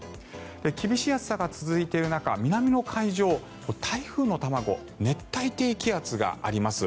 厳しい暑さが続いている中南の海上台風の卵、熱帯低気圧があります。